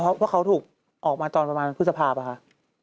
เพราะเขาถูกออกมาตอนประมาณพฤษภาพป่ะคะ